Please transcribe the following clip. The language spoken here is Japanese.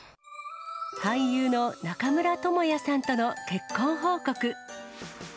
俳優の中村倫也さんとの結婚報告。